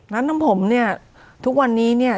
น้ำผมเนี่ยทุกวันนี้เนี่ย